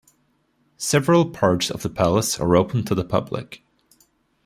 Several parts of the palace are open to the public.